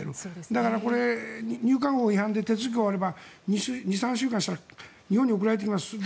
だからこれ、入管法違反で手続きが終われば２３週間したら日本に送られてきます。